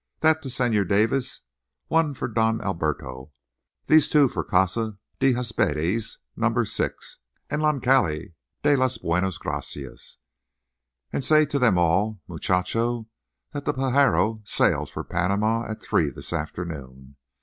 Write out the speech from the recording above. —that to Señor Davis—one for Don Alberto. These two for the Casa de Huespedes, Numero 6, en la calle de las Buenas Gracias. And say to them all, muchacho, that the Pajaro sails for Panama at three this afternoon.